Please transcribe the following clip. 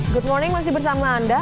good morning masih bersama anda